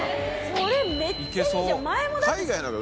それ、めっちゃいいじゃん。